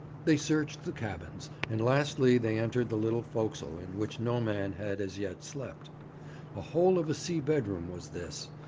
They searched the cabins, and, lastly, they entered the little forecastle in which no man had as yet slept. A hole of a seabedroom was this.